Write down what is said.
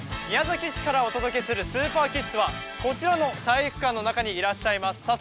宮崎市からお届けするスーパーキッズは、こちらの体育館の中にいらっしゃいます。